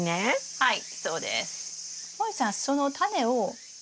はい。